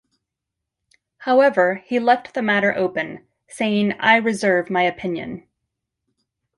However, he left the matter open, saying I reserve my opinion.